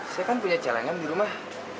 saya kan punya celengan di rumah